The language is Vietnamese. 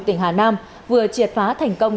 tỉnh hà nam vừa triệt phá thành công